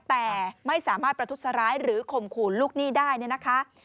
แต่ไม่สามารถประทุษร้ายหรือข่มขู่ลูกหนี้ได้เนี่ยนะคะ